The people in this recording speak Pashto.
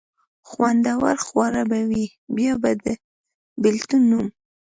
خوندور خواړه به وي، بیا به د بېلتون نوم.